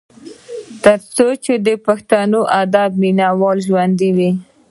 تر څو چې د پښتو ادب مينه وال ژوندي وي ۔